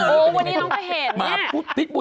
โอ้ววันนี้เราไม่เคยเห็นนี่ไงมาพูดดิกุ่น